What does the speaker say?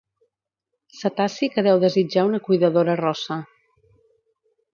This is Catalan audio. Cetaci que deu desitjar una cuidadora rossa.